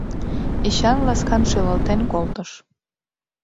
Эчан ласкан шӱлалтен колтыш.